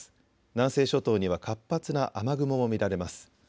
南西諸島には活発な雨雲も見られます。